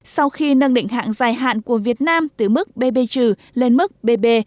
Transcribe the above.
sau khi nâng định hạng dài hạn của việt nam từ mức bb trừ lên mức bb